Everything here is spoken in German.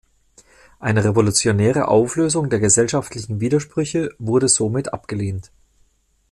Eine revolutionäre Auflösung der gesellschaftlichen Widersprüche wurde somit abgelehnt.